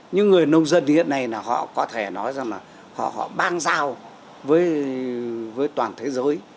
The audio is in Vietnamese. những người nông dân hiện nay là họ có thể nói rằng là họ bang giao với toàn thế giới